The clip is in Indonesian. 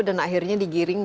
dan akhirnya digiring